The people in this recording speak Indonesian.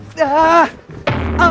batu batu jadi orang